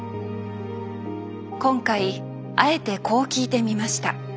今回あえてこう聞いてみました。